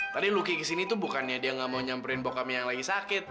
tadi luki kesini tuh bukannya dia gak mau nyamperin bokapnya yang lagi sakit